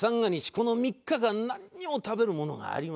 この３日間なんにも食べるものがありませんから